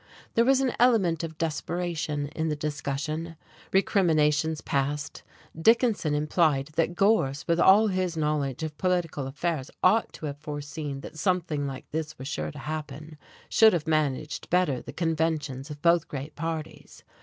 There was an element of desperation in the discussion. Recriminations passed. Dickinson implied that Gorse with all his knowledge of political affairs ought to have foreseen that something like this was sure to happen, should have managed better the conventions of both great parties.